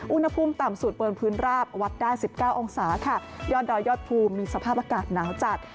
อุณหภูมิต่ำสุดบนพื้นราบวัดได้๑๙องศาค่ะยอดดอยยอดภูมิมีสภาพอากาศหนาวจัด